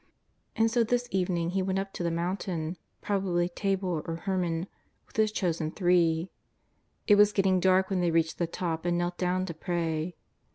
And so this evening He went up the mountain, prob ably Thabor or Hermon, with His chosen three. It was getting dark when they reached the top and knelt down to pray.